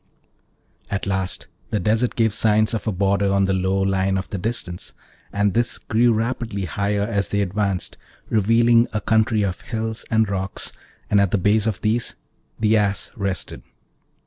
At last the desert gave signs of a border on the low line of the distance, and this grew rapidly higher as they advanced, revealing a country of hills and rocks, and at the base of these the Ass rested.